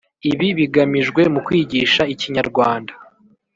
Ibi bigamijwe mu kwigisha ikinyarwanda